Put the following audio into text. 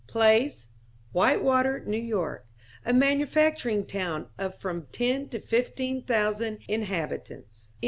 Place.... Whitewater, N. Y. A manufacturing town of from ten to fifteen thousand inhabitants.